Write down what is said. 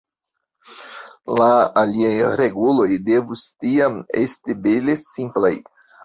La aliaj reguloj devus tiam esti bele simplaj.